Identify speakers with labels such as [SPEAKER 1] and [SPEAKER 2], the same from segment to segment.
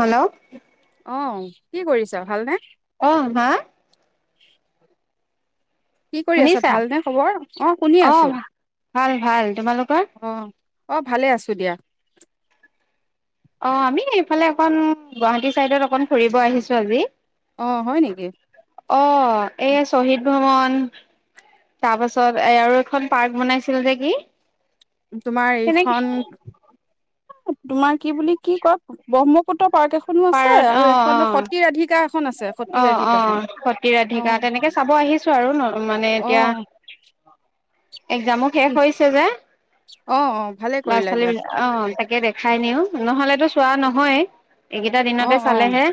[SPEAKER 1] Hello?
[SPEAKER 2] অহ কি কৰিছা ভাল নে [inaudible]
[SPEAKER 1] অ হা
[SPEAKER 2] কি কৰি আছা
[SPEAKER 1] শুনিছা
[SPEAKER 2] ভালনে খবৰ অ শুনি আছো
[SPEAKER 1] ভাল ভাল তোমালোকৰ
[SPEAKER 2] অ অ ভালে আছো দিয়া
[SPEAKER 1] অ আমি এইফালে অকণ গুৱাহাটী চাইডত অকণ ফুৰিব আহিছো আজি
[SPEAKER 2] অ হয় নেকি
[SPEAKER 1] অ এই শ্বহীদ ভ্ৰমণ তাৰ পাছত এ আৰু এখন পাৰ্ক বনাইছিল যে কি
[SPEAKER 2] তোমাৰ
[SPEAKER 1] তেনেকে
[SPEAKER 2] এইখন তোমাৰ কি বুলি কি কয় ব্ৰহ্মপুত্ৰ পাৰ্ক এখনো আছে
[SPEAKER 1] পাৰত
[SPEAKER 2] আৰু
[SPEAKER 1] অ অ
[SPEAKER 2] এখনো সতিৰাধিকাৰ
[SPEAKER 1] অ অ
[SPEAKER 2] অ
[SPEAKER 1] সতিৰাধিকা তেনেকে চাব আহিছো আৰু মানে
[SPEAKER 2] অ
[SPEAKER 1] এতিয়া এক্জামো শেষ হৈছে যে
[SPEAKER 2] অ অ ভালে
[SPEAKER 1] ল'ৰা
[SPEAKER 2] কৰিলা
[SPEAKER 1] ছোৱালী
[SPEAKER 2] দিয়া
[SPEAKER 1] বিলাক অ তাকে দেখ খাই নিও নহ'লেতো চোৱা নহয়। এইকেইটা দিনতে চালেহে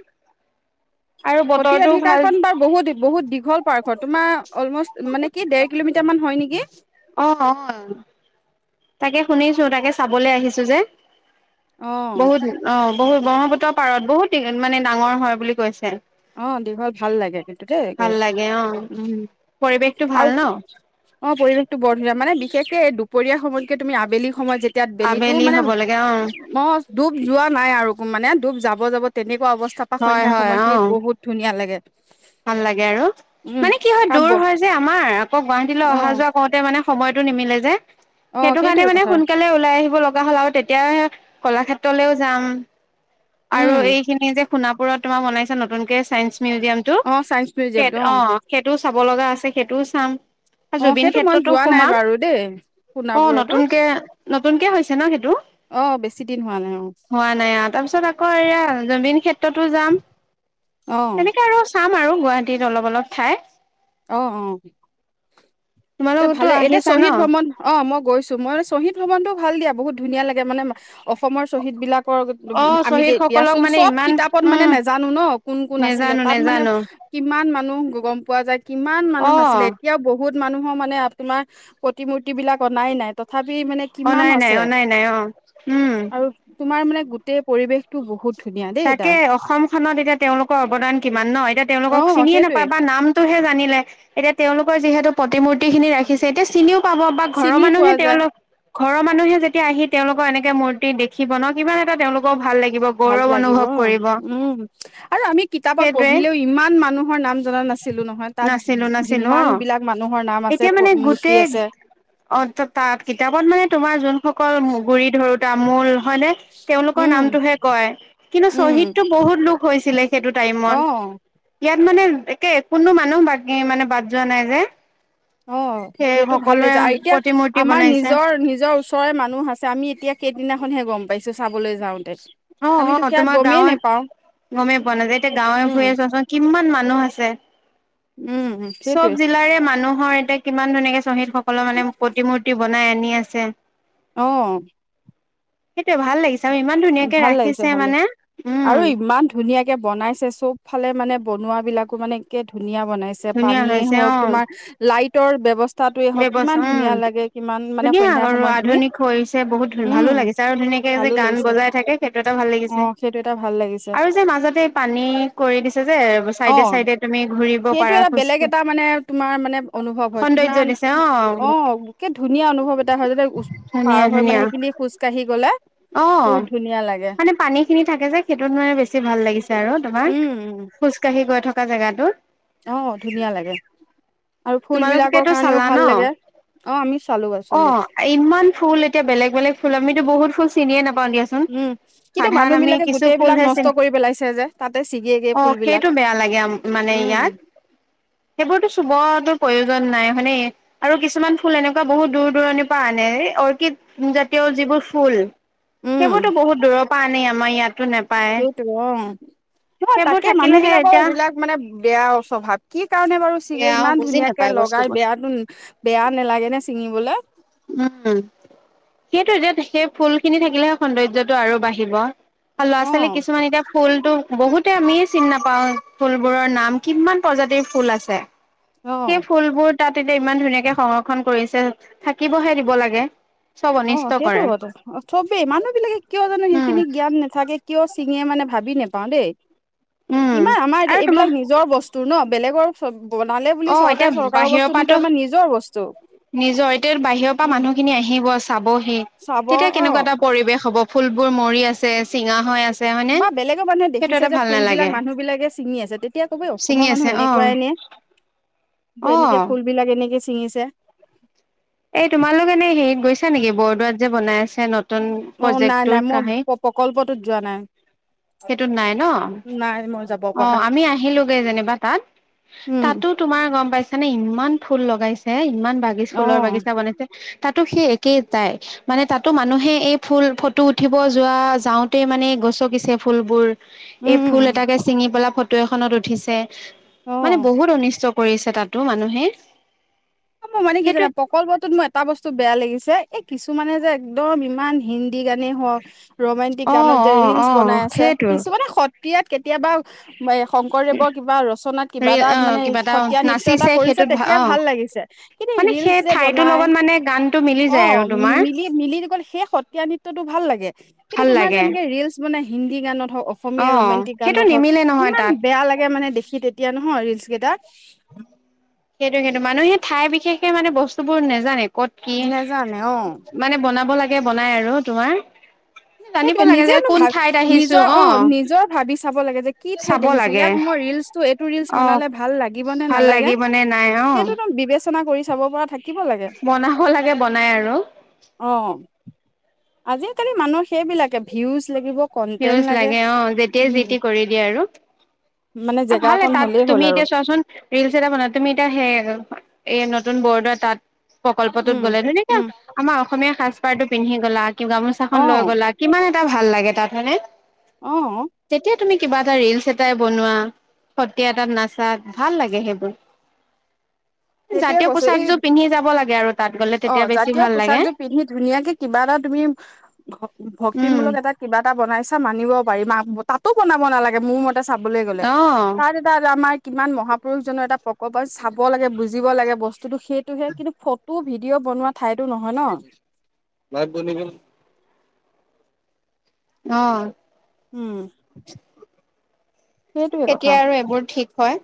[SPEAKER 1] আৰু
[SPEAKER 2] সতি
[SPEAKER 1] বতৰটো
[SPEAKER 2] অধিকাৰ
[SPEAKER 1] ভাল
[SPEAKER 2] খন বাৰ বহুত বহুত দীঘল তোমাৰ অলমষ্ট মানে কি ডেৰ কিলোমিটাৰ মান হয় নেকি।
[SPEAKER 1] অ অ তাকে শুনিছো তাকে চাবলৈ আহিছো যে।
[SPEAKER 2] অ
[SPEAKER 1] বহু দিন অ বহুত ব্ৰহ্মপুত্ৰৰ পাৰত বহুত মানে ডাঙৰ হয় বুলি কৈছে।
[SPEAKER 2] অ দীঘল ভাল লাগে কিন্তু দেই
[SPEAKER 1] ভাল
[SPEAKER 2] গৈ
[SPEAKER 1] লাগে অ
[SPEAKER 2] উম
[SPEAKER 1] পৰিৱেশটো ভাল
[SPEAKER 2] আৰু
[SPEAKER 1] ন
[SPEAKER 2] অ পৰিৱেশটো বৰ ধুনীয়া মানে বিশেষকে দু দুপৰিয়া সময়তকে তুমি আবেলি সময়ত যেতিয়া বেলিটো
[SPEAKER 1] আবেলি
[SPEAKER 2] মানে
[SPEAKER 1] হব লাগে অ
[SPEAKER 2] অ ডুব যোৱা নাই আৰু মানে ডুব যাব যাব তেনে পোৱা অৱস্থা পৰা
[SPEAKER 1] হয়
[SPEAKER 2] সন্ধা
[SPEAKER 1] হয় অ
[SPEAKER 2] সময়খিনিত বহুত ধুনীয়া লাগে।
[SPEAKER 1] ভাল লাগে আৰু
[SPEAKER 2] উম
[SPEAKER 1] মানে কি হয়
[SPEAKER 2] কাৰণ ব
[SPEAKER 1] দূৰ হয় যে আমাৰ আকৌ গুৱাহাটীলৈ
[SPEAKER 2] অ
[SPEAKER 1] অহা যোৱা কৰোঁতে মানে সময়টো নিমিলে যে
[SPEAKER 2] অ
[SPEAKER 1] সেইটো কাৰণে
[SPEAKER 2] সেইটোৱে
[SPEAKER 1] মানে
[SPEAKER 2] কথা
[SPEAKER 1] সোনকালে ওলাই আহিব লগা হ'ল আৰু তেতিয়াে কলাক্ষেত তলেও যাম। আৰু
[SPEAKER 2] উম
[SPEAKER 1] এইখিনি যে সোণাপুৰত তোমাৰ বনাইছে নুতুনকে চাইঞ্চ মিউজিয়ামটো।
[SPEAKER 2] অ চাইন্স
[SPEAKER 1] সেট
[SPEAKER 2] মিউজিয়ামটো
[SPEAKER 1] অ সেইটোছ চাব লগা আছে সেইটোও চাম।
[SPEAKER 2] অ
[SPEAKER 1] জুবিন
[SPEAKER 2] সেইটো মই
[SPEAKER 1] ক্ষেত্ৰতো
[SPEAKER 2] যোৱা নাই
[SPEAKER 1] সোমাম
[SPEAKER 2] বাৰু দেই
[SPEAKER 1] অ
[SPEAKER 2] সোণাপুৰতো।
[SPEAKER 1] নতুনকে নতুনকে হৈছে ন সেইট টো
[SPEAKER 2] অ বেছি দিন হোৱা নাই অ
[SPEAKER 1] হোৱা নাই আৰু তাৰপিছত আকৌ এয়া জুবিন ক্ষেত্ৰতো যাম
[SPEAKER 2] অ
[SPEAKER 1] তেনেকে আৰুছ পাৰো গুৱাহাটীত অলপ অলপ ঠাই।
[SPEAKER 2] অ অ। এটিয়া
[SPEAKER 1] তোমালোকতো
[SPEAKER 2] ভালে, এতিয়া
[SPEAKER 1] আহিছা ন
[SPEAKER 2] শ্বহীদ ভ্ৰমণ অ' মোক গৈছো মই শ্বহীদ ভানতটোও ভাল দিয়া বহুত ধুনীয়া লাগে মানে অসমৰ শ্বহীদ বিলাক
[SPEAKER 1] অ
[SPEAKER 2] আমি
[SPEAKER 1] শ্বহীদ
[SPEAKER 2] দে
[SPEAKER 1] সকলক
[SPEAKER 2] দিয়াচোন
[SPEAKER 1] মানে
[SPEAKER 2] চব
[SPEAKER 1] ইমান
[SPEAKER 2] কিতাপত মানে
[SPEAKER 1] উম
[SPEAKER 2] নাজানো ন কোন কোন আছিলে
[SPEAKER 1] নেজানো
[SPEAKER 2] তাত মানে
[SPEAKER 1] নেজানো
[SPEAKER 2] কিমান মানুহ। গ - গম পোৱা যায়। কিমান
[SPEAKER 1] অ
[SPEAKER 2] মানুহ আছিলে এতিয়াও বহুত। মানুহ মানে আত্মামাৰ প্ৰতিূমুটি বিলাক অনাই নাই ত
[SPEAKER 1] অ' নাই- নাই অ' নাই নাই, অ' উম।
[SPEAKER 2] আৰু তোমাৰ মানে গোটেই পৰিৱেশতটো বহুত ধুনীয়া দেই
[SPEAKER 1] তাকে
[SPEAKER 2] তাৰ
[SPEAKER 1] অসমখনত এতিয়া তেওঁলোকৰ অৱদান কিমান ন এতিয়া
[SPEAKER 2] অ
[SPEAKER 1] তেওঁলোকক চিনিয়ে
[SPEAKER 2] সেইটোৱে
[SPEAKER 1] নাপায় বা নামতটোহে জানিলে এতিয়া তেওঁলোকৰ যিহেতু। প্ৰতিমূৰ্তি খিনি ৰাখিছে এতিয়া চিনিও পাব বা ঘৰৰ
[SPEAKER 2] চিনি
[SPEAKER 1] মানুহে
[SPEAKER 2] পোৱা যায়
[SPEAKER 1] তেওঁল ঘৰৰ মানুহে যেতিয়া আহি তেওঁলোকৰ এনেকে মূৰ্তি দেখিব ন কিমান এটা তেওঁলোকৰ ভাল লাগে লাগিব,
[SPEAKER 2] ভাল
[SPEAKER 1] গৌৰৱ
[SPEAKER 2] উম আৰু আমি কিতাপত
[SPEAKER 1] সেইটোৱে
[SPEAKER 2] পঢ়িলেও ইমান মানুহ তোমাৰ নাম জনা নাছিলোঁ নহয়, তাত
[SPEAKER 1] নাচিলো নাচিলো
[SPEAKER 2] যিমান
[SPEAKER 1] অ
[SPEAKER 2] বিলাক মানুহৰ নাম আছে,
[SPEAKER 1] এতিয়া মানে
[SPEAKER 2] মূৰ্তি
[SPEAKER 1] গোটেই
[SPEAKER 2] আছে।
[SPEAKER 1] অ তাত কিতাপত মানে তোমাৰ সকল গুৰি ধৰোতে তামোল হয়নে? তেওঁলোকৰ
[SPEAKER 2] উম
[SPEAKER 1] নামটোহে কয়, কিন্তু শ্বহীদ
[SPEAKER 2] উম
[SPEAKER 1] টো বহুত লোক হৈছিলে সেইটো
[SPEAKER 2] অ
[SPEAKER 1] টাইমত। ইয়াত মানে এ কোনো মানুহ বাকী মানে বাদ যোৱা নাই যে।
[SPEAKER 2] অ'
[SPEAKER 1] সেই
[SPEAKER 2] সেইটো ভাল
[SPEAKER 1] সকলোৱে
[SPEAKER 2] লাগিছে, আৰু এতিয়া
[SPEAKER 1] প্ৰতিমূৰ্তি
[SPEAKER 2] আমাৰ
[SPEAKER 1] বনাইছে
[SPEAKER 2] নিজৰ-নিজৰ ওচৰৰে মানুহ আছে। আমি এতিয়া সেইদিনা সন্ধিয়া গম পাইছোঁ, চাবলৈ যাওঁ।
[SPEAKER 1] অ' অ' তোমাৰ গাঁৱত গমেই পোৱা নাযায়। এতিয়া গাঁৱে
[SPEAKER 2] উম
[SPEAKER 1] ফুৰি আছেচোন কিমান মান মানুহ আছে।
[SPEAKER 2] উম সেইটোৱে
[SPEAKER 1] চব জিলাৰে মানুহৰ কিমান ধুনীয়াকে শ্বহীদ সক হলৌ মানে প্ৰতিমূৰ্তি বনাই আনি আছে।
[SPEAKER 2] অঁ।
[SPEAKER 1] সেইটোৱে ভাল লাগিছ
[SPEAKER 2] ভাল লাগিছে- ভাল লাগিছে
[SPEAKER 1] উম
[SPEAKER 2] আৰু ইমান ধুনীয়াকে বনাইছে চব ফালে মানে বনোৱা বিলাকো মানে একে ধু ধুনীয়া বনাইছে
[SPEAKER 1] ধুনীয়া
[SPEAKER 2] পানীয়ে হওক তোমাৰ লাইট [unintelligible]
[SPEAKER 1] ব্যৱছ উম,
[SPEAKER 2] মানে
[SPEAKER 1] ধুনীয়া
[SPEAKER 2] সন্ধ্যা
[SPEAKER 1] আৰু
[SPEAKER 2] সময়খিনি
[SPEAKER 1] আধুনিক হৈছে বহুত ভালো
[SPEAKER 2] উম
[SPEAKER 1] লাগিছে আৰু ধুনীয়াকে যে
[SPEAKER 2] ভালো
[SPEAKER 1] গান
[SPEAKER 2] লাগিছে
[SPEAKER 1] বজাই তাকে সেইটো এটা ভাল
[SPEAKER 2] অ
[SPEAKER 1] লাগিছে
[SPEAKER 2] সেইটো এটা ভাল লাগিছে
[SPEAKER 1] আৰু যে মাজতে পানী কৰি দিছে যে
[SPEAKER 2] অ
[SPEAKER 1] চাইডে- চাইডে তুমি ঘুৰিব
[SPEAKER 2] সেইটো
[SPEAKER 1] পাৰা
[SPEAKER 2] এটা
[SPEAKER 1] খুজ,
[SPEAKER 2] বেলেগ এটা মানে
[SPEAKER 1] সৌন্দৰ্য দিছে অ
[SPEAKER 2] অঁ একে ধুনীয়া অনুভৱ এটা হয় যেতিয়া উচ্ পাৰ হৈ মানে সেইখিনি খোজ কাঢ়ি গ'লে।
[SPEAKER 1] অঁ।
[SPEAKER 2] বহুত ধুনীয়া লাগে
[SPEAKER 1] মানে পানী খিনি থাকে যে, সেইটোত মানে বেছি ভাল লাগিছে আৰু তোমাৰ,
[SPEAKER 2] উম উম
[SPEAKER 1] খোজকাঢ়ি গৈ থকা কা জেগাতো।
[SPEAKER 2] অ ধুনীয়া লাগে আৰু ফুল বিলাকৰ
[SPEAKER 1] তোমালোকোতো
[SPEAKER 2] কাৰণেও
[SPEAKER 1] চালা
[SPEAKER 2] ভাল
[SPEAKER 1] ন,
[SPEAKER 2] লাগে অ আমি চালো চালো
[SPEAKER 1] অ' ইমান ফুল এতিয়া বেলেগ- বেলেগ ফুল আমিতো বহুত ফুল চিনিয়ে নাপ অঁ দিয়াচোন,
[SPEAKER 2] উম কিন্তু
[SPEAKER 1] সাধাৰণ
[SPEAKER 2] মানুহ
[SPEAKER 1] অমি
[SPEAKER 2] বিলাকে
[SPEAKER 1] কিছু
[SPEAKER 2] গোটেই
[SPEAKER 1] ফুল
[SPEAKER 2] বিলাক
[SPEAKER 1] হে চি
[SPEAKER 2] নষ্ট কৰি পেলাইছে যে তাতে ছিগেগে ফুল
[SPEAKER 1] অঁ
[SPEAKER 2] বিলাক
[SPEAKER 1] সেইটো বেয়া লাগে মোক মানে ইয়াত,
[SPEAKER 2] উম
[SPEAKER 1] সেবোৰটো চোবটো প্ৰয়ো য'ত নাই আৰু কিছুমান ফুল এনেকুৱা বহুত দূৰ দূৰণিৰ পৰা আনে এই অৰ্কিড জাতীয় যিবোৰ ফুল
[SPEAKER 2] উম
[SPEAKER 1] সেইবোৰতো বহুত দূৰৰ পৰা আনে আ মই ইয়াত
[SPEAKER 2] সেইটো অঁ, ন
[SPEAKER 1] সেইবোৰ
[SPEAKER 2] তাকে মানুহ
[SPEAKER 1] থাকিলেহে
[SPEAKER 2] বিলাকৰ
[SPEAKER 1] এতিয়া
[SPEAKER 2] এইবিলাক মানে বেয়া স্বভাৱ কি কাৰণে বাৰু চিগে
[SPEAKER 1] বেয়াও
[SPEAKER 2] ইমান
[SPEAKER 1] বুজি
[SPEAKER 2] ধুনীয়াকে
[SPEAKER 1] নাপায়
[SPEAKER 2] লগাই
[SPEAKER 1] বস্তুবোৰ
[SPEAKER 2] বেয়াাতো বেয়া নালাগে নে ছিঙিবলে।
[SPEAKER 1] উম, সেইটো এতিয়া সেই ফুল খিনি থাকিলেহে সৌন্দৰ্যটো আৰু বাঢ়িব। আৰু ল'ৰা
[SPEAKER 2] অ
[SPEAKER 1] ছোৱালী কিছুমান এতিয়া ফুল টো বহুতে আমিয়ে চিনি নাপাও ফুলবোৰৰ নাম কিমান প্ৰজাতিৰ ফুল আছে। সেই
[SPEAKER 2] অ
[SPEAKER 1] ফুলবোৰ তাত এতিয়া ইমান ধুনীয়াকে সংৰক্ষণ কৰিছে। [inaudible] থাকিবহে দিব লাগে। চব
[SPEAKER 2] অঁ
[SPEAKER 1] অনিষ্ট
[SPEAKER 2] সেইটো
[SPEAKER 1] কৰে।
[SPEAKER 2] হয়তো, চবেই মানুহ বিলাকে কিয় জানো
[SPEAKER 1] উম,
[SPEAKER 2] সেইখিনি জ্ঞান নাথাকে কিয় চিঙে মানে ভাবি নেপাওঁ দেই।
[SPEAKER 1] উম,
[SPEAKER 2] কিমান আমাৰ
[SPEAKER 1] আৰু তোমাৰ
[SPEAKER 2] এইবিলাক নিজৰ বস্তু ন। বেলেগৰ চব বনালে বুলি
[SPEAKER 1] অ', এতিয়া
[SPEAKER 2] চৰকাৰে চৰকাৰৰ
[SPEAKER 1] বাহিৰৰ
[SPEAKER 2] বস্তু
[SPEAKER 1] পৰাতো
[SPEAKER 2] নহয়, আমাৰ নিজৰ বস্তু।
[SPEAKER 1] নিজৰ, এতিয়া বাহিৰৰ পৰা
[SPEAKER 2] উম
[SPEAKER 1] মানুহখিনি আহি দিৱস চাবহি,
[SPEAKER 2] চাব
[SPEAKER 1] তেতিয়া
[SPEAKER 2] অ
[SPEAKER 1] কেনেকুৱা এটা পৰিবেশ হ'ব? ফুলবোৰ মৰি আছে চিঙা হৈ আছে হয়নে?
[SPEAKER 2] বা বেলেগৰ মানুহে
[SPEAKER 1] সেইটো
[SPEAKER 2] দেখিছে
[SPEAKER 1] এটা
[SPEAKER 2] যে
[SPEAKER 1] ভাল নালাগে
[SPEAKER 2] ফুলবিলাক মানুহবিলাকে ছিঙি আছে তেতিয়া কব
[SPEAKER 1] ছিঙি
[SPEAKER 2] অসমৰ
[SPEAKER 1] আছে
[SPEAKER 2] মানুহ
[SPEAKER 1] অ',
[SPEAKER 2] এনেকুৱাই নে? যে এনেকে
[SPEAKER 1] অ'।
[SPEAKER 2] ফুলবিলাকে কেনেকে ছিঙিছে
[SPEAKER 1] গৈছে নেকি বৰদোৱাত যে বনাই আছে নত
[SPEAKER 2] অ নাই নাই মই প্ৰকল্পটোত যোৱা নাই
[SPEAKER 1] সেইটোত নাই ন?
[SPEAKER 2] নাই মই। যাব
[SPEAKER 1] অ
[SPEAKER 2] পৰা
[SPEAKER 1] আমি আহিলোগে যেনিবা তাত
[SPEAKER 2] উম
[SPEAKER 1] তাতো তোমাৰ গম পাইছানে ইমান ফুল লগাইছে। ইমান বাগিচা
[SPEAKER 2] অ
[SPEAKER 1] ফুলৰ বাগিছা বনাইছে। তাতো সেই একেইটাই, মানে তাতো মানুহে এই ফুল ফটো উঠিব যোৱা যাওঁতে মানে গছকিছে ফুলবোৰ এই
[SPEAKER 2] উম উম
[SPEAKER 1] ফুল
[SPEAKER 2] উম,
[SPEAKER 1] এটা [unintelligible] ফটো এখনত উঠিছে।
[SPEAKER 2] অ
[SPEAKER 1] মানে বহুত অনিষ্ট কৰিছে তাত। তো মানুহে।
[SPEAKER 2] অই মানে কি
[SPEAKER 1] সেইটোৱে
[SPEAKER 2] জানা প্ৰকল্পটো মই এ বস্তু বেয়া লাগিছিল। যে এই কিছুমানে যে একদম ইমান হিন্দী গানেই হওক। ৰোমেণ্টিক
[SPEAKER 1] অ
[SPEAKER 2] গানত যে
[SPEAKER 1] অ
[SPEAKER 2] ৰিলচ
[SPEAKER 1] অ
[SPEAKER 2] বনাই আছে
[SPEAKER 1] সেইটো
[SPEAKER 2] কিছু মানে সত্ৰিয়াত। কেতিয়াবা। শংকৰদেৱৰ কিবা ৰচনাত কিবা
[SPEAKER 1] ৰি
[SPEAKER 2] এটা
[SPEAKER 1] অ
[SPEAKER 2] মানে
[SPEAKER 1] কিবা এটা
[SPEAKER 2] সতীয়া নৃত্্য এটা
[SPEAKER 1] নাচিছে
[SPEAKER 2] কৰিছে
[SPEAKER 1] সেইটোত ভা
[SPEAKER 2] তেতিয়া
[SPEAKER 1] অ
[SPEAKER 2] ভাল লাগিছে। কিন্তু
[SPEAKER 1] মানে
[SPEAKER 2] ৰিলচ
[SPEAKER 1] সেই
[SPEAKER 2] যে
[SPEAKER 1] ঠাইটোৰ
[SPEAKER 2] বনাই
[SPEAKER 1] লগত মানে গানটো মিলি
[SPEAKER 2] অ
[SPEAKER 1] যায় আৰু তোমাৰ
[SPEAKER 2] মিলি মিলি গল সেই সত্ৰীয়া নৃতয়তটো ভাল লাগে কিন্তু
[SPEAKER 1] ভাল
[SPEAKER 2] তোমাৰ যে
[SPEAKER 1] লাগে
[SPEAKER 2] এনেকে ৰিলচ বনাই। হিন্দী গানত। হওক
[SPEAKER 1] অ
[SPEAKER 2] অসমীয়া ৰোমণ্টিক
[SPEAKER 1] সেইটো
[SPEAKER 2] গানত হওক
[SPEAKER 1] নিমিলে নহয়
[SPEAKER 2] ইমান
[SPEAKER 1] তাত
[SPEAKER 2] বেয়া লাগে মানে দেখি তেতিয়া নো। অ ৰিলচ কেইটাত।
[SPEAKER 1] সেইটো সেইটো মানুহেই। ঠাই বিশেষে মানে বস্তু বোৰ নাজানে। কত কি
[SPEAKER 2] নেজানে অ
[SPEAKER 1] মানে বনাব লাগে। বনাই আৰু তোমাৰ। জানিব
[SPEAKER 2] সেইটোৱে
[SPEAKER 1] লাগে
[SPEAKER 2] নিজে
[SPEAKER 1] যে কোন ঠাইত
[SPEAKER 2] ভ
[SPEAKER 1] আহিছো
[SPEAKER 2] নিজৰ অ' নিজৰ ভাবি চাব লাগে যে কি ঠাইত
[SPEAKER 1] চাব
[SPEAKER 2] দেখিছো
[SPEAKER 1] লাগে
[SPEAKER 2] ইয়াত মই ৰিলচটো এইটো ৰিলচ
[SPEAKER 1] অ
[SPEAKER 2] বনালে ভাল লাগে
[SPEAKER 1] ভাল লাগিবনেে নাই অ'।
[SPEAKER 2] আলোচনা কৰি চাব পৰা থাকে।
[SPEAKER 1] বনাব লাগে বনাই আৰু।
[SPEAKER 2] অ আজিকালি মানুহ সেইবিলাকে ভিউজ লাগিব।
[SPEAKER 1] ভিউজ লাগে অ' যেতিয়াই যিতি
[SPEAKER 2] উম
[SPEAKER 1] কৰি দিয়ে, ‌ আৰু
[SPEAKER 2] মানে জেগা
[SPEAKER 1] ভালে
[SPEAKER 2] অকন
[SPEAKER 1] তাত
[SPEAKER 2] হ'লেই হ'ল
[SPEAKER 1] তুমি
[SPEAKER 2] আৰু
[SPEAKER 1] এতিয়া চোৱাচোন ৰিলচ এটা বন তুমি এতিয়া স এই নতুন বৰদোৱা তাত প্ৰকল্পতটোত
[SPEAKER 2] উম
[SPEAKER 1] গ'লে, ধুনিয়াকে
[SPEAKER 2] উম
[SPEAKER 1] আমাৰ অসমীয়া সাজ পাৰটো পিন্ধি গ'লা গামোচা খন
[SPEAKER 2] অ
[SPEAKER 1] লৈ গ'লা কিমান এটা এটা ভাল লাগে তাত। হয় নে?
[SPEAKER 2] আহ।
[SPEAKER 1] তুমি কিবা এটা ৰিলচ এটাই বনোৱা, সত্ৰীয়া এটাত নাচা ভাল লাগে সেইবোৰ।
[SPEAKER 2] সেইটোয়ে
[SPEAKER 1] জাতীয়
[SPEAKER 2] কৈছো এই
[SPEAKER 1] পোচাকযোৰ পিন্ধি যাব লাগে আৰু তাত গ'লে
[SPEAKER 2] অ'
[SPEAKER 1] তেতিয়া বেছি
[SPEAKER 2] জাতীয়
[SPEAKER 1] ভাল লাগে
[SPEAKER 2] পোচাকজোৰ পিন্ধি ধুনীয়াকে কিবা এটা তুমি
[SPEAKER 1] উম
[SPEAKER 2] ভক্তিমূলক এটাত কিবা এটা বনাইছা। মানিব পাৰি, ম তাতো বনাব নালাগে মোৰ মতে এটা চাবলৈ গ'লে,
[SPEAKER 1] অ
[SPEAKER 2] তাত এটা আমাৰ কিমান মহাপুৰুষজনৰ এটা প্ৰকল্প চাব লাগে বুজ জিব লাগে বস্তুটো সেইটোহে, কিন্তু ফটো ভিডিঅ' বনোৱা ঠাইতো নহয় ন।
[SPEAKER 1] [unintelligible] অ'।
[SPEAKER 2] উম। সেইটোৱে
[SPEAKER 1] কেতিয়া
[SPEAKER 2] কথা
[SPEAKER 1] আৰু এইবোৰ ঠিক হয়।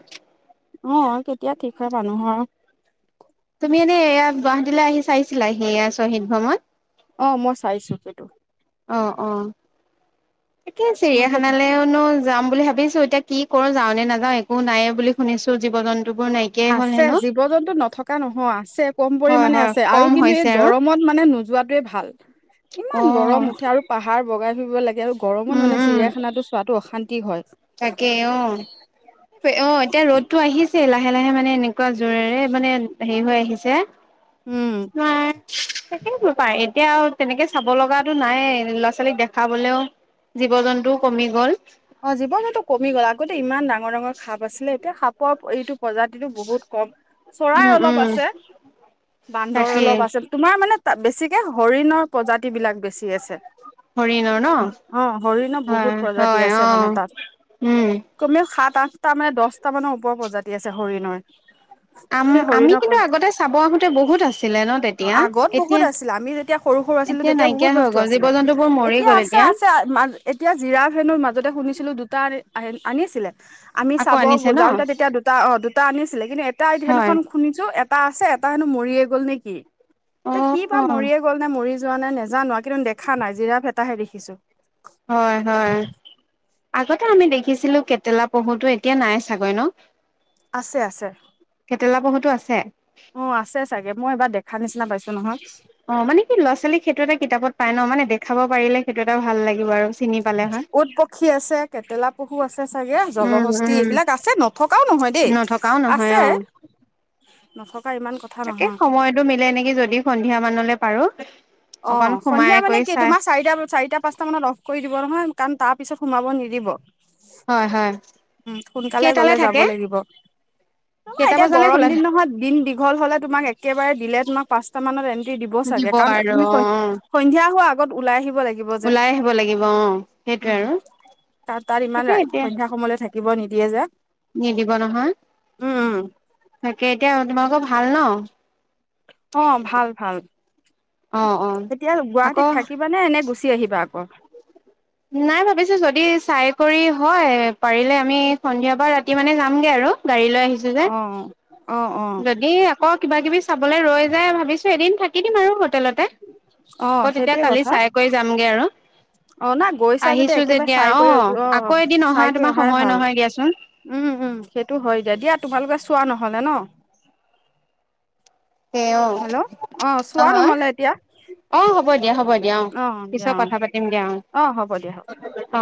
[SPEAKER 2] অ', কেতিয়া ঠিক হয় মানুহৰ
[SPEAKER 1] তুমি এনে ইয়াত গুৱাহাটীলে আহি চাইছিলাহি এয়া শ্বহীদ ভ্ৰমণ?
[SPEAKER 2] অ', মই চাইছোঁ সেইটো।
[SPEAKER 1] অহ, অ'। তাকে
[SPEAKER 2] মই সেইটো
[SPEAKER 1] চিৰিয়াখানালৈওনো যাম বুলি ভাবি ভাবিছো, এতিয়া কি কৰো যাও নে নাযাও, একো নায়ে বুলি শুনিছো জীৱ-জন
[SPEAKER 2] আছে জীৱ-জন্তু নথকা নহয় আছে, কম
[SPEAKER 1] হয়
[SPEAKER 2] পৰিমাণে
[SPEAKER 1] হয়
[SPEAKER 2] আছে আৰু
[SPEAKER 1] কম
[SPEAKER 2] কিন্তু এই
[SPEAKER 1] হৈছে আৰু
[SPEAKER 2] গৰমত মানে নোযোৱাতোৱে ভা ভাল।
[SPEAKER 1] অ
[SPEAKER 2] ইমান গৰম উঠে আৰু পাহাৰ বগাই ফুৰিব লাগে আৰু গৰমত
[SPEAKER 1] উম
[SPEAKER 2] মানে
[SPEAKER 1] উম
[SPEAKER 2] চিৰিয়াখানাটো চোৱাটো অশান্তি। কি হয়?
[SPEAKER 1] তাকে অ', অ', এতিয়া ৰ'দটো আহিছেই লাহ লাহে লাহে মানে এনেকুৱা জোৰেৰে, মানে হেৰি হৈ আহিছে।
[SPEAKER 2] উম
[SPEAKER 1] ন, তাকে বোলো পাৰি। এতিয়া আৰু তেনেকে চাব লগাটো নায়ে, ল'ৰা-ছোৱালীক দেখাবলেও জীৱ-জন্তুও কমি গ'ল।
[SPEAKER 2] অ', জীৱ-জন্তু কমি গ'ল, আগতে ইমান ডাঙৰ-ডাঙৰ সাপ আছিলে, এতিয়া সাপৰ এইটো প্ৰজাতিটো বহুত কম। চৰাই
[SPEAKER 1] উম
[SPEAKER 2] অলপ
[SPEAKER 1] উম
[SPEAKER 2] আছে, বান্দৰ
[SPEAKER 1] তাকেই
[SPEAKER 2] অলপ আছিল তোমাৰ মানে তাত বেছিকে হৰিণৰ প্ৰজাতি বিলাক বেছি আছে।
[SPEAKER 1] হৰিণৰ ন?
[SPEAKER 2] অ হৰিণৰ বহুত
[SPEAKER 1] হয়,
[SPEAKER 2] প্ৰজাতি
[SPEAKER 1] হয়।
[SPEAKER 2] আছে মানে
[SPEAKER 1] অঁ
[SPEAKER 2] তাত
[SPEAKER 1] উম।
[SPEAKER 2] কমেও সাত, আঠটা মানে দহটা মানৰ ওপৰ প্ৰজাতি আছে হৰিণৰ।
[SPEAKER 1] আম
[SPEAKER 2] সেই
[SPEAKER 1] আমি
[SPEAKER 2] হৰিণৰ
[SPEAKER 1] কিন্তু
[SPEAKER 2] প্ৰজ,
[SPEAKER 1] আগতে চাব আহোতে বহুত আছিলে ন
[SPEAKER 2] অঁ,
[SPEAKER 1] তেতিয়া
[SPEAKER 2] আগত বহুত
[SPEAKER 1] এতিয়া
[SPEAKER 2] আছিলে, আমি যেতিয়া সৰু-সৰু আছিলো
[SPEAKER 1] এতিয়া
[SPEAKER 2] তেতিয়া
[SPEAKER 1] নাইকিয়া
[SPEAKER 2] বহুত
[SPEAKER 1] হৈ
[SPEAKER 2] বস্তু
[SPEAKER 1] গ'ল জীৱ
[SPEAKER 2] আছিলে,
[SPEAKER 1] জন্তুবোৰ মৰি
[SPEAKER 2] এতিয়া
[SPEAKER 1] গ'ল
[SPEAKER 2] আছে আছে, মা, এতিয়া জিৰা ফ্ৰেনৰ মাজতে শুনিছিলো দুটা আন আনিছিলে। আমি
[SPEAKER 1] আকৌ
[SPEAKER 2] চাব
[SPEAKER 1] আনিছে ন
[SPEAKER 2] যাওঁতে তেতিয়া দুটা অঁ', দুটা আনিছ দিলে কিন্তু এপ তাইত
[SPEAKER 1] হয়
[SPEAKER 2] সেইদিনাখন শুনিছোঁ টা আছে, এটা হেনো মৰিয়ে গ'ল নে কি।
[SPEAKER 1] অ
[SPEAKER 2] তে কি বা মৰিয়ে গ'ল নে মৰি যোৱা নে নেজানো আ কিন্তু দেখা নাই জিৰাফ এটাহে দেখিছো।
[SPEAKER 1] হয়, হয়, আগতে আমি দেখিছিলো কেটেলা পহুটো এতিয়া নাই চাগৈ ন?
[SPEAKER 2] আছে, আছে।
[SPEAKER 1] টো আছে।
[SPEAKER 2] এ নহয়।
[SPEAKER 1] অ', মানে কি ল'ৰা-ছোৱালীক সেইটো এটা কিতাপত পাই ন, মানে দেখাব পাৰিলে সেইটো এটা ভাল লাগিব আৰু চিনি পালে হয়
[SPEAKER 2] উৎপক্ষী আছে কেটেলা পশু আছে চাগে
[SPEAKER 1] উম
[SPEAKER 2] জলহস্তি
[SPEAKER 1] উম
[SPEAKER 2] এইবিলাক আছে নথকাও নহয় দেই
[SPEAKER 1] নথকাও নহয়
[SPEAKER 2] আছে
[SPEAKER 1] অ
[SPEAKER 2] নাথক
[SPEAKER 1] তাকে সময়তো মিলে নেকি যদি সন্ধিয়া মানলে পাৰো
[SPEAKER 2] অ
[SPEAKER 1] অকন সোমাই
[SPEAKER 2] সন্ধিয়া মানে
[SPEAKER 1] কৰি
[SPEAKER 2] কি
[SPEAKER 1] চাই
[SPEAKER 2] তোমাৰ চাৰিটা চাৰিটা পাঁচটা মানত অফ কৰি দিব নহয় কাৰণ তা পিছত সোমাব নিদিব
[SPEAKER 1] হয় হয়
[SPEAKER 2] উম সোনকালে
[SPEAKER 1] কেইটালে
[SPEAKER 2] গলে যাব
[SPEAKER 1] থাকে
[SPEAKER 2] লাগিব তোমা
[SPEAKER 1] কেইটা
[SPEAKER 2] এতিয়া
[SPEAKER 1] বজালে
[SPEAKER 2] গৰম
[SPEAKER 1] খোলা
[SPEAKER 2] দিন নহয় দিন দীঘল হলে তোমাক একেবাৰে দিলে তোমাক পাঁচটা মানত এন ন্টি দিব চাগে কাণ
[SPEAKER 1] আৰু
[SPEAKER 2] মে
[SPEAKER 1] অ
[SPEAKER 2] সয় সন্ধিয়া হোৱা আ গত ওলাই আহি
[SPEAKER 1] ওলাই আহিব লাগিব অ সেইটোৱে
[SPEAKER 2] উম
[SPEAKER 1] আৰু
[SPEAKER 2] তাত তাত ইমান
[SPEAKER 1] তাকে এতিয়া
[SPEAKER 2] সন্ধিয়া সময়লৈ থাকিব নিদিয়ে যে
[SPEAKER 1] নিদিব নহয়
[SPEAKER 2] উম উম
[SPEAKER 1] তাকে এতিয়া তোমালোকো ভাল ন
[SPEAKER 2] উম অ ভাল ভাল
[SPEAKER 1] অ অ
[SPEAKER 2] এতিয়া
[SPEAKER 1] আকৌ
[SPEAKER 2] গুৱাহাটীত থাকিবানে এনে গুচি আহিবা আকৌ
[SPEAKER 1] নাই ভাবিছো যদি চাই কৰি হয় পাৰিলে আমি সন্ধিয়া পৰা ৰাতি মানে যামগে আৰু গাড়ী লৈ আহিছো যে
[SPEAKER 2] অ অ অ
[SPEAKER 1] যদি আকৌ কিবা কিবি চাবলৈ ৰৈ যায় ভাবিছো এদিন থাকি দিম আৰু হোটেলতে
[SPEAKER 2] অ
[SPEAKER 1] আকৌ তেতিয়া
[SPEAKER 2] সেইটোৱে
[SPEAKER 1] কালি
[SPEAKER 2] কথা
[SPEAKER 1] চাই কৰিৈ যামগে আৰু
[SPEAKER 2] অ না গৈছা যদি
[SPEAKER 1] আহিছো
[SPEAKER 2] একেবাৰে
[SPEAKER 1] যেতিয়া
[SPEAKER 2] চাই কৰি অ
[SPEAKER 1] আকৌ এদিন অহা
[SPEAKER 2] চাই কৰি
[SPEAKER 1] তোমাৰ
[SPEAKER 2] অহাই
[SPEAKER 1] সময়
[SPEAKER 2] ভাল
[SPEAKER 1] নহয় দিয়াচোন
[SPEAKER 2] উম উম সেইটো হয় দিয়া দিয়া তোমালোকে চোৱা নহয় হলে ন
[SPEAKER 1] হে অ
[SPEAKER 2] হেল্ল' অ চোৱা
[SPEAKER 1] অা
[SPEAKER 2] নহলে এতিয়া
[SPEAKER 1] অ হ'ব দিয়া হ'ব দিয়া দিয়া
[SPEAKER 2] অ দিয়া
[SPEAKER 1] পিছত
[SPEAKER 2] অ
[SPEAKER 1] কথা পাতিম দিয়া
[SPEAKER 2] অ হ'ব দিয়া হ'ব
[SPEAKER 1] অ অ অ